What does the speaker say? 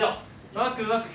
ワクワク。